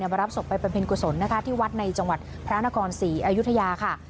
มารับศพไปประเภนกุศลที่วัดในจังหวัดพระอนาคอร์๔อยุธยา